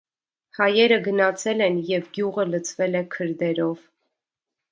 Հայերը գնացել են և գյուղը լցվել է քրդերով։